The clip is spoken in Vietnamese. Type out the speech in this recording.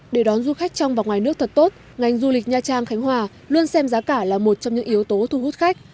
để đón du khách trong và ngoài nước thật tốt ngành du lịch nha trang khánh hòa luôn xem giá cả là một trong những yếu tố thu hút khách